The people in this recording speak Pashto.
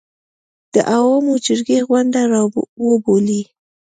د عوامو جرګې غونډه راوبولي